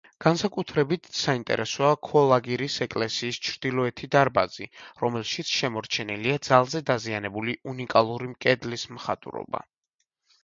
განსაკუთრებით საინტერესოა ქოლაგირის ეკლესიის ჩრდილოეთი დარბაზი, რომელშიც შემორჩენილია ძალზე დაზიანებული უნიკალური კედლის მხატვრობა.